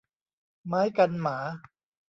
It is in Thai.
ไม้กันหมา